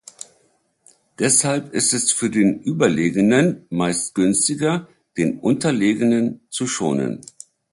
Deshalb ist es für den Überlegenen meist günstiger, den Unterlegenen zu schonen.